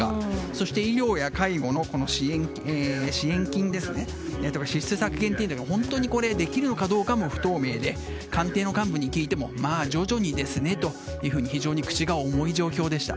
そして、医療や介護の支出削減が本当にできるのかどうかも不透明で官邸の幹部に聞いてもまあ、徐々にですねと非常に口が重い状況でした。